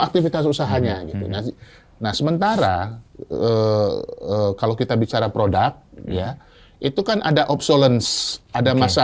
aktivitas usahanya gitu nah sementara kalau kita bicara produk ya itu kan ada obsolence ada masa